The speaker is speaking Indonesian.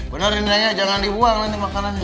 benerin nanya jangan dibuang neng makanannya